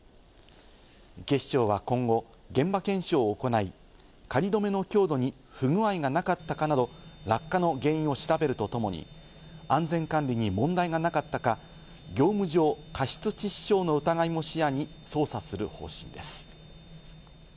警視庁は今後、現場検証を行い、仮止めの強度に不具合がなかったかなど、落下の原因を調べるとともに、安全管理に問題がなかったか業務上過失致死傷の疑いも視野に捜査する方針です。